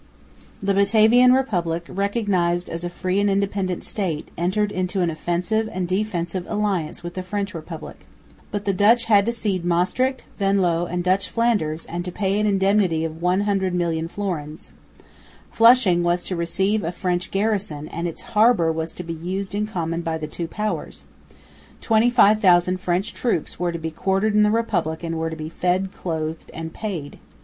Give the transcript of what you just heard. The Batavian Republic, recognised as a free and independent State, entered into an offensive and defensive alliance with the French Republic. But the Dutch had to cede Maestricht, Venloo and Dutch Flanders and to pay an indemnity of 100,000,000 florins. Flushing was to receive a French garrison, and its harbour was to be used in common by the two powers; 25,000 French troops were to be quartered in the Republic and were to be fed, clothed and paid.